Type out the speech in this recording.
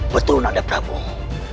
betul nanda prabowo